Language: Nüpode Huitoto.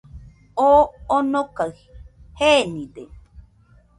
Oo onokaɨ jenide.